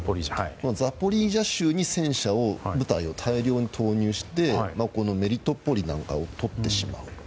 ザポリージャ州に戦車、部隊を大量に投入してこのメリトポリなんかをとってしまう。